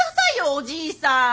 おじいさん。